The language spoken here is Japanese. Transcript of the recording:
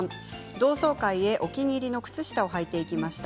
同窓会へお気に入りの靴下をはいて行きました。